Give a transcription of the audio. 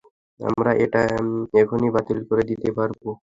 আমরা এটা এখনি বাতিল করে দিতে পারব।